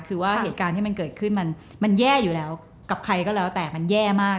คือว่าเหตุการณ์ที่มันเกิดขึ้นมันแย่อยู่แล้วกับใครก็แล้วแต่มันแย่มาก